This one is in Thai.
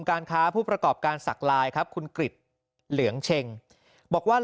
การค้าผู้ประกอบการสักลายครับคุณกริจเหลืองเช็งบอกว่า